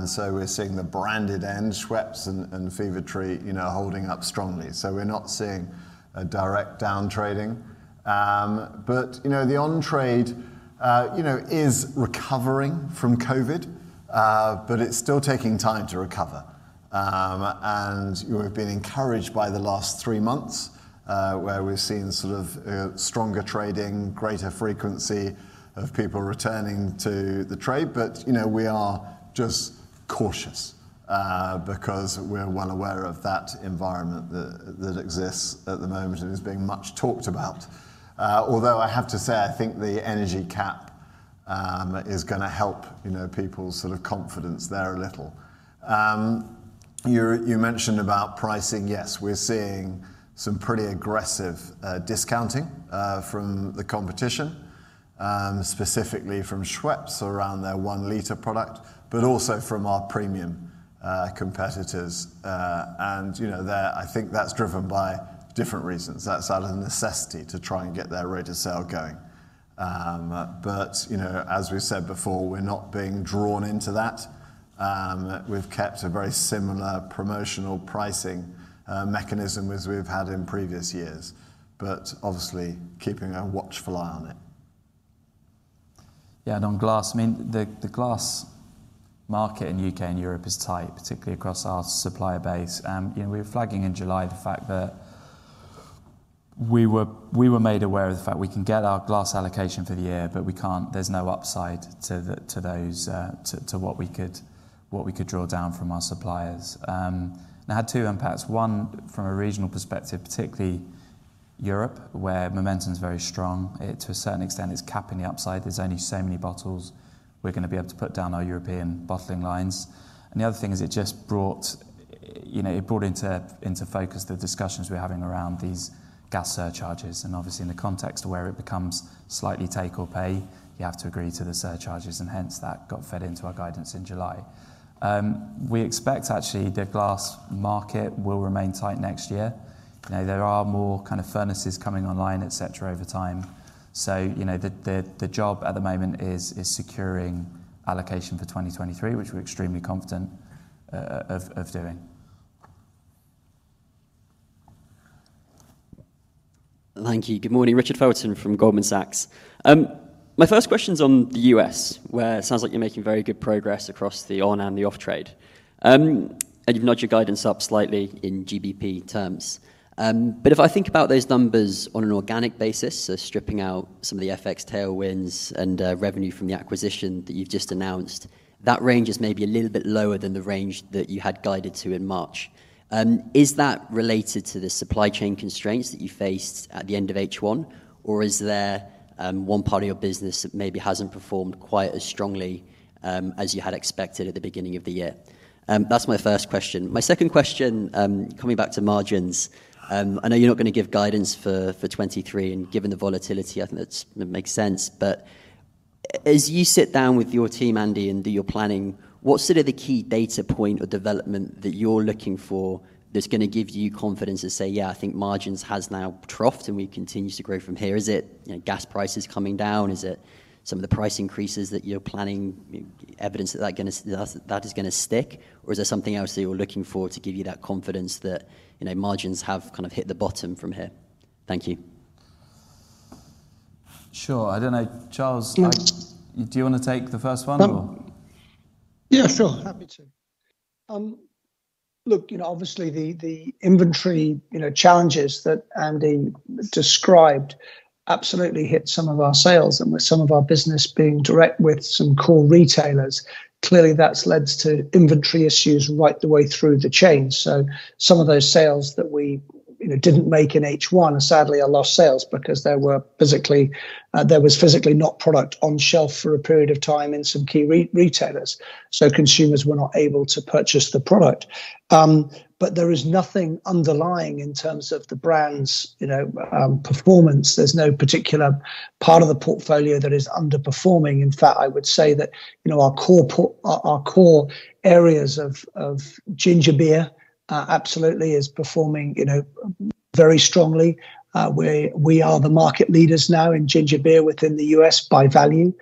So we're seeing the branded end, Schweppes and Fever-Tree, you know, holding up strongly. So we're not seeing a direct down trading. But, you know, the on-trade, you know, is recovering from COVID, but it's still taking time to recover. We've been encouraged by the last three months, where we've seen sort of stronger trading, greater frequency of people returning to the trade. You know, we are just cautious because we're well aware of that environment that exists at the moment and is being much talked about. Although I have to say, I think the energy cap is gonna help, you know, people's sort of confidence there a little. You mentioned about pricing. Yes, we're seeing some pretty aggressive discounting from the competition, specifically from Schweppes around their 1-liter product, but also from our premium competitors. You know that I think that's driven by different reasons. That's out of necessity to try and get their rate of sale going. You know, as we said before, we're not being drawn into that. We've kept a very similar promotional pricing mechanism as we've had in previous. years. Obviously keeping a watchful eye on it. Yeah. On glass, I mean, the glass market in U.K. and Europe is tight, particularly across our supplier base. You know, we were flagging in July the fact that we were made aware of the fact we can get our glass allocation for the year, but we can't. There's no upside to those, to what we could draw down from our suppliers. It had two impacts. One from a regional perspective, particularly Europe, where momentum's very strong. It, to a certain extent, is capping the upside. There's only so many bottles we're gonna be able to put down our European bottling lines. The other thing is it just brought into focus the discussions we're having around these gas surcharges. Obviously in the context of where it becomes slightly take or pay, you have to agree to the surcharges, and hence that got fed into our guidance in July. We expect actually the glass market will remain tight next year. You know, there are more kind of furnaces coming online, et cetera, over time. You know, the job at the moment is securing allocation for 2023, which we're extremely confident of doing. Thank you. Good morning. Richard Felton from Goldman Sachs. My first questions on the U.S., where it sounds like you're making very good progress across the on-trade and off-trade. You've nudged your guidance up slightly in GBP terms. If I think about those numbers on an organic basis, so stripping out some of the FX tailwinds and revenue from the acquisition that you've just announced, that range is maybe a little bit lower than the range that you had guided to in March. Is that related to the supply chain constraints that you faced at the end of H1 or is there one part of your business that maybe hasn't performed quite as strongly as you had expected at the beginning of the year? That's my first question. My second question, coming back to margins. I know you're not gonna give guidance for 2023, and given the volatility, I think that makes sense. As you sit down with your team, Andy, and do your planning, what's sort of the key data point or development that you're looking for that's gonna give you confidence to say, "Yeah, I think margins has now troughed and will continue to grow from here"? Is it, you know, gas prices coming down? Is it some of the price increases that you're planning, you know, evidence that that is gonna stick? Or is there something else that you're looking for to give you that confidence that, you know, margins have kind of hit the bottom from here? Thank you. Sure. I don't know, Charles, like do you wanna take the first one or? Yeah, sure. Happy to. Look, you know, obviously the inventory, you know, challenges that Andy described absolutely hit some of our sales. With some of our business being direct with some core retailers, clearly that's led to inventory issues right the way through the chain. Some of those sales that we, you know, didn't make in H1 sadly are lost sales because there was physically not product on shelf for a period of time in some key retailers, so consumers were not able to purchase the product. There is nothing underlying in terms of the brand's, you know, performance. There's no particular part of the portfolio that is underperforming. In fact, I would say that, you know, our core areas of ginger beer absolutely is performing, you know, very strongly. We are the market leaders now in ginger beer within the U.S. by value.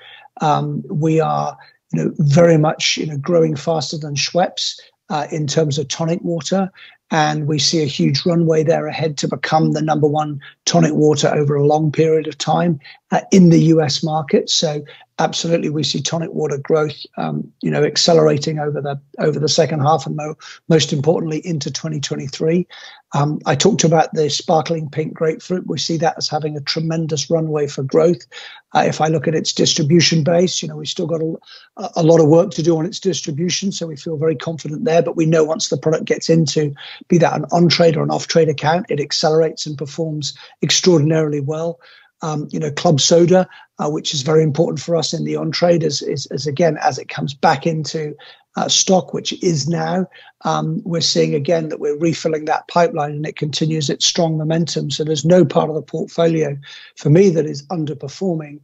We are, you know, very much, you know, growing faster than Schweppes, in terms of tonic water, and we see a huge runway there ahead to become the number one tonic water over a long period of time, in the U.S. market. Absolutely we see tonic water growth, you know, accelerating over the second half and most importantly into 2023. I talked about the Sparkling Pink Grapefruit. We see that as having a tremendous runway for growth. If I look at its distribution base, you know, we've still got a lot of work to do on its distribution, so we feel very confident there. We know once the product gets into, be that an on-trade or an off-trade account, it accelerates and performs extraordinarily well. You know, Club Soda, which is very important for us in the on trade as again as it comes back into stock, which it is now, we're seeing again that we're refilling that pipeline and it continues its strong momentum. There's no part of the portfolio for me that is underperforming.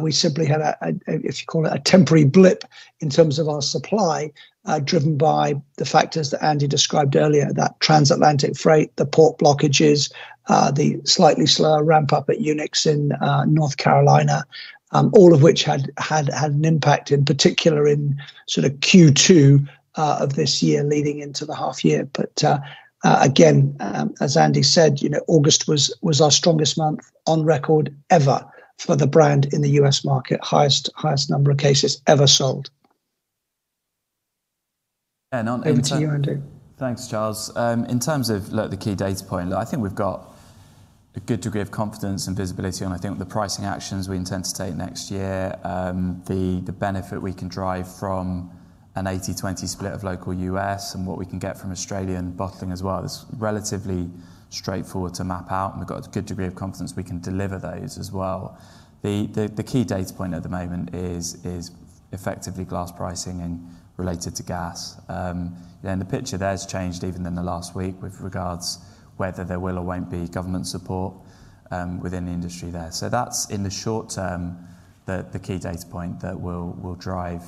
We simply had a if you call it a temporary blip in terms of our supply, driven by the factors that Andy described earlier, that transatlantic freight, the port blockages, the slightly slower ramp up at Unix Packaging in North Carolina, all of which had an impact in particular in sort of Q2 of this year leading into the half year. Again, as Andy said, you know, August was our strongest month on record ever for the brand in the U.S. market. Highest number of cases ever sold. On in terms of. Over to you, Andy. Thanks, Charles. In terms of, the key data point, I think we've got a good degree of confidence and visibility on the pricing actions we intend to take next year. The benefit we can drive from an 80-20 split of local U.S. and what we can get from Australian bottling as well. It's relatively straightforward to map out, and we've got a good degree of confidence we can deliver those as well. The key data point at the moment is effectively glass pricing and related to gas. The picture there's changed even in the last week with regards whether there will or won't be government support within the industry there. That's in the short term the key data point that will drive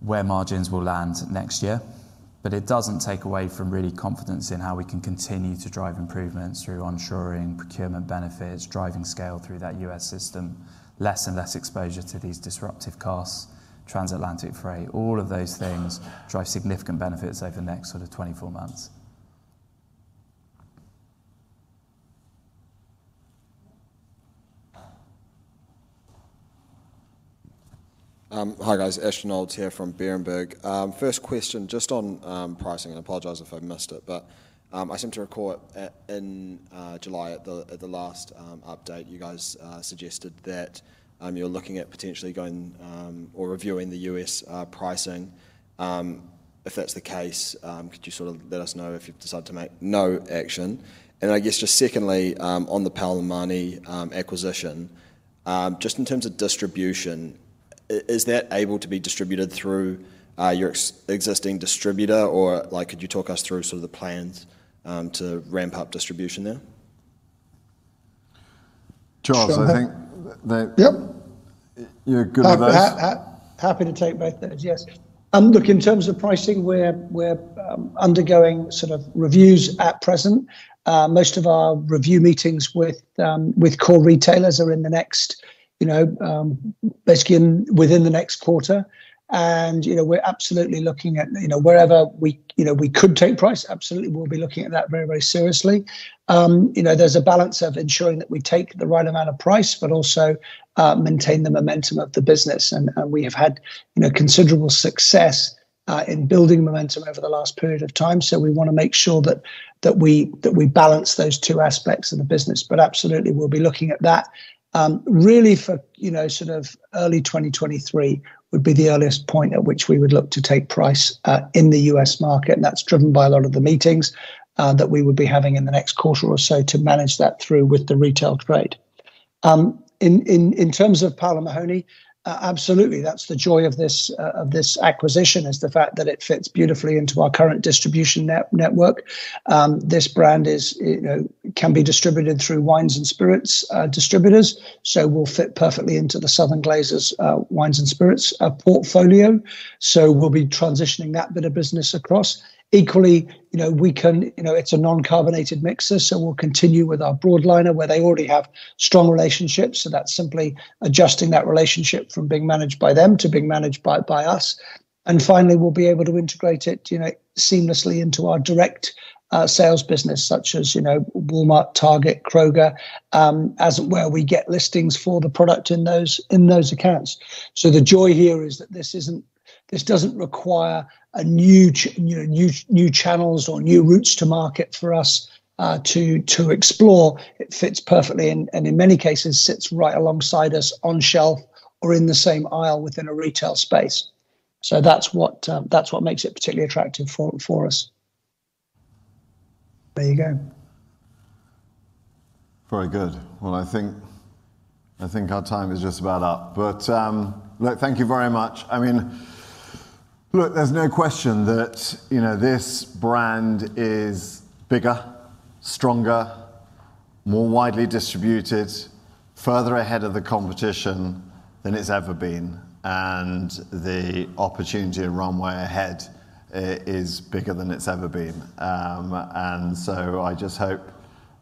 where margins will land next year. It doesn't take away from real confidence in how we can continue to drive improvements through onshoring, procurement benefits, driving scale through that U.S. system. Less and less exposure to these disruptive costs, transatlantic freight, all of those things drive significant benefits over the next sort of 24 months. Hi guys. Ashton Olds here from Berenberg. First question just on pricing. I apologize if I missed it, but I seem to recall in July at the last update, you guys suggested that you're looking at potentially going or reviewing the U.S. pricing. If that's the case, could you sort of let us know if you decide to take no action? I guess just secondly, on the Paloma acquisition, just in terms of distribution, is that able to be distributed through your existing distributor? Or like could you talk us through sort of the plans to ramp up distribution there? Sure. Charles, I think that. Yep. You're good with those. Happy to take both those. Yes. Look, in terms of pricing, we're undergoing sort of reviews at present. Most of our review meetings with core retailers are in the next, you know, basically within the next quarter. You know, we're absolutely looking at, you know, wherever we, you know, we could take price, absolutely we'll be looking at that very seriously. You know, there's a balance of ensuring that we take the right amount of price, but also maintain the momentum of the business. We have had, you know, considerable success in building momentum over the last period of time, so we wanna make sure that we balance those two aspects of the business. Absolutely, we'll be looking at that. Really, you know, sort of early 2023 would be the earliest point at which we would look to take price in the U.S. market, and that's driven by a lot of the meetings that we would be having in the next quarter or so to manage that through with the retail trade. In terms of Paloma, absolutely, that's the joy of this acquisition, is the fact that it fits beautifully into our current distribution network. This brand, you know, can be distributed through wines and spirits distributors, so will fit perfectly into the Southern Glazer's wines and spirits portfolio. We'll be transitioning that bit of business across. Equally, you know, we can, you know, it's a non-carbonated mixer, so we'll continue with our broadliner where they already have strong relationships. That's simply adjusting that relationship from being managed by them to being managed by us. Finally, we'll be able to integrate it seamlessly into our direct sales business such as Walmart, Target, Kroger, where we get listings for the product in those accounts. The joy here is that this isn't, this doesn't require new channels or new routes to market for us to explore. It fits perfectly and, in many cases, sits right alongside us on shelf or in the same aisle within a retail space. That's what makes it particularly attractive for us. There you go. Very good. Well, I think our time is just about up. Look, thank you very much. I mean, look, there's no question that, you know, this brand is bigger, stronger, more widely distributed, further ahead of the competition than it's ever been, and the opportunity and runway ahead is bigger than it's ever been. I just hope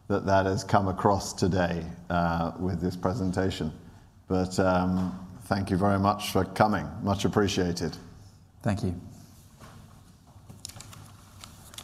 that that has come across today with this presentation. Thank you very much for coming. Much appreciated. Thank you.